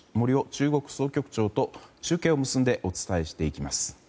中国総局長と中継を結んでお伝えします。